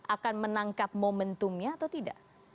akan menangkap momentumnya atau tidak